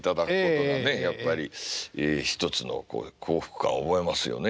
やっぱり一つの幸福感を覚えますよね。